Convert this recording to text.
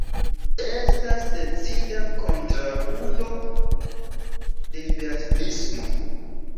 Estas decida kontraŭulo de liberalismo.